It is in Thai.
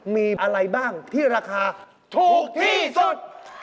ถูกที่สุด